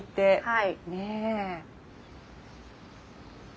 はい。